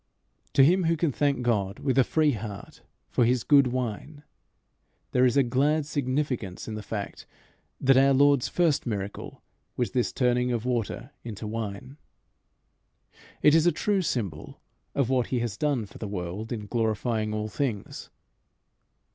To him who can thank God with free heart for his good wine, there is a glad significance in the fact that our Lord's first miracle was this turning of water into wine. It is a true symbol of what he has done for the world in glorifying all things.